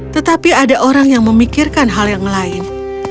tetapi ada orang yang memikirkan hal yang lain